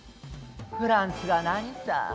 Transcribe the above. フランスが何さ。